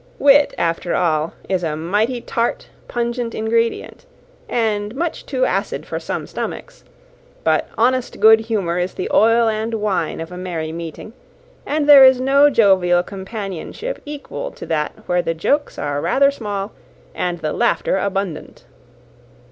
Wit, after all, is a mighty tart, pungent ingredient, and much too acid for some stomachs; but honest good humour is the oil and wine of a merry meeting, and there is no jovial companionship equal to that where the jokes are rather small, and the laughter abundant.